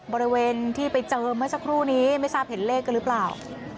บริเวณที่ไปเจอเมื่อสักครู่นี้ไม่ทราบเห็นเลขกันหรือเปล่า